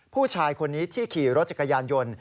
ผู้ชายคนนี้ที่ขี่รถจักรยานยนต์